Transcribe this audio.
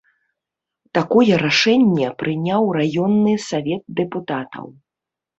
Такое рашэнне прыняў раённы савет дэпутатаў.